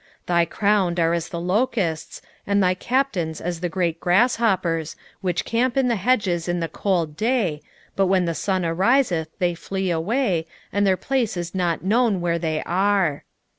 3:17 Thy crowned are as the locusts, and thy captains as the great grasshoppers, which camp in the hedges in the cold day, but when the sun ariseth they flee away, and their place is not known where they are.